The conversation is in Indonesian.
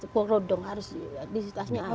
kulodong harus di tasnya ada